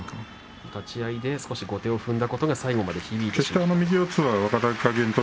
立ち合いで後手を踏んだことが最後まで響いたと。